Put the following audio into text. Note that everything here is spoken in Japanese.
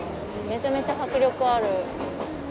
めちゃめちゃ迫力ある。